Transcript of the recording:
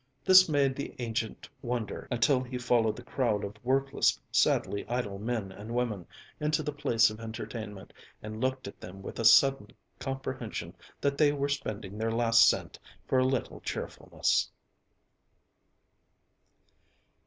This made the agent wonder, until he followed the crowd of workless, sadly idle men and women into the place of entertainment and looked at them with a sudden comprehension that they were spending their last cent for a little cheerfulness.